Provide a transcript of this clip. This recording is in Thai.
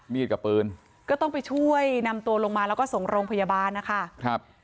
กับปืนก็ต้องไปช่วยนำตัวลงมาแล้วก็ส่งโรงพยาบาลนะคะครับ